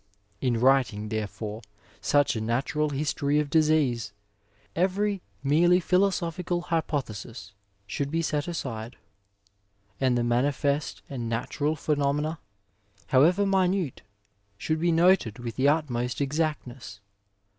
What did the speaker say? " In writing therefore, such a natural history of diseases, every merely philoso phical hypothesis should be set aside, and the manifest and natural phenomena, however minute, should be noted with the utmost exactness.